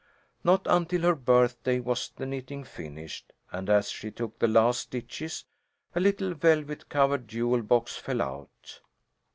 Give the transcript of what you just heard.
Not until her birthday was the knitting finished, and as she took the last stitches a little velvet covered jewel box fell out.